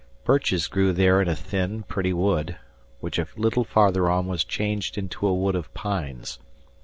Birches grew there in a thin, pretty wood, which a little farther on was changed into a wood of pines.